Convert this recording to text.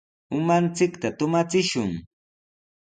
Umanchikta tumachishun.